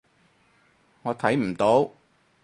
我睇唔到